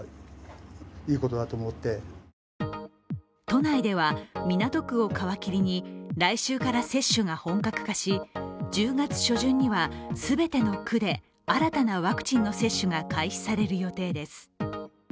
都内では港区を皮切りに来週から接種が本格化し１０月初旬には全ての区で新たなワクチンの接種が開始される予定です。